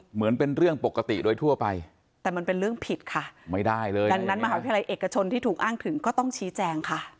เหมือนเป็นเรื่องปกติโดยทั่วไปแต่มันเป็นเรื่องผิดค่ะไม่ได้เลยดังนั้นมหาวิทยาลัยเอกชนที่ถูกอ้างถึงก็ต้องชี้แจงค่ะ